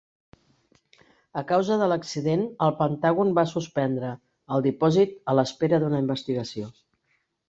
A causa de l'accident, el Pentàgon va suspendre el dipòsit a l'espera d'una investigació.